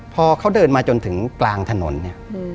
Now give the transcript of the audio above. พอเขาเดินมาจนถึงกลางถนนเนี่ย